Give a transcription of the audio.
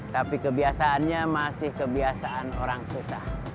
tapi kebiasaannya masih kebiasaan orang susah